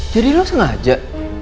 jadi lo sengaja